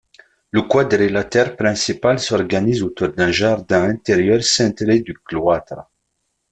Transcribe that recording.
Le quadrilatère principal s’organise autour d’un jardin intérieur ceinturé de cloîtres.